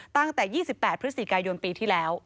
ตั้งแต่๒๘พฤศจิกายนปีที่แล้ว